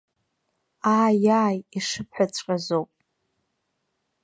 Ааи, ааи, ишыбҳәаҵәҟьазоуп.